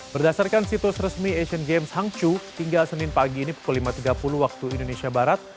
berdasarkan situs resmi asian games hangzhou tinggal senin pagi ini pukul lima tiga puluh waktu indonesia barat